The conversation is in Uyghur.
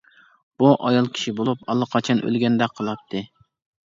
بۇ ئايال كىشى بولۇپ، ئاللىقاچان ئۆلگەندەك قىلاتتى.